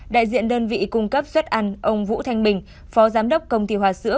đại diện đơn vị cung cấp xuất ăn ông vũ thanh bình phó giám đốc công ty hòa sữa